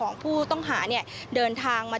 ส่วนสบนิรนามทั้ง๓คนที่แพทย์ขอความร่วมมือก่อนหน้านี้นะคะ